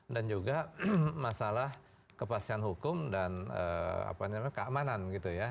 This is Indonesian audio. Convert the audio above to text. dan juga masalah kepastian hukum dan keamanan gitu ya